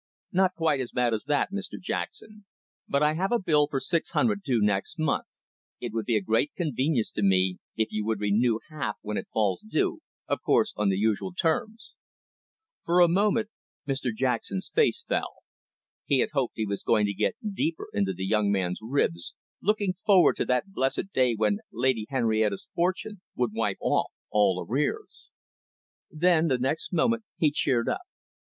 "Not quite as bad as that, Mr Jackson. But I have a bill for six hundred due next month. It would be a great convenience to me if you would renew half when it falls due, of course on the usual terms." For a moment, Mr Jackson's face fell. He had hoped he was going to get deeper into the young man's ribs, looking forward to that blessed day when Lady Henrietta's fortune would wipe off all arrears. Then, the next moment, he cheered up.